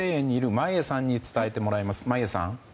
眞家さん。